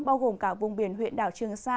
bao gồm cả vùng biển huyện đảo trường sa